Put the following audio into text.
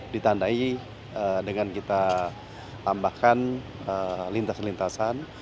ditandai dengan kita tambahkan lintas lintasan